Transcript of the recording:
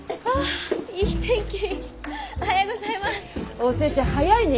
お寿恵ちゃん早いね！